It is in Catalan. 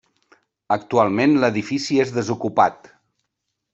Actualment l'edifici és desocupat.